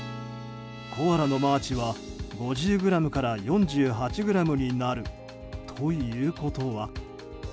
コアラのマーチは５０ｇから４８ｇになるということは。